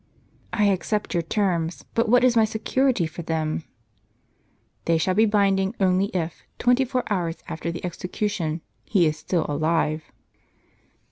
"I accept your terms; but what is my security for them ?" "They shall be binding only if, twenty four hours after the execution, he is still alive."